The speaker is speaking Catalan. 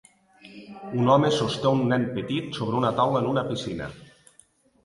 un home sosté un nen petit sobre una taula en una piscina.